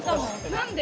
何で？